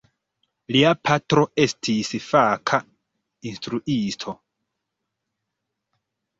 Lia patro estis faka instruisto.